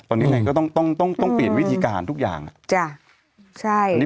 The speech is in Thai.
ตอนนี้ไหนก็ต้องต้องต้องต้องเปลี่ยนวิธีการทุกอย่างจ้ะใช่